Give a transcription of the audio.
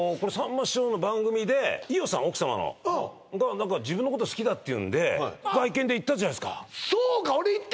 ま師匠の番組で伊代さん奥さまのが何か自分のこと好きだっていうんで行ったじゃないですかあっ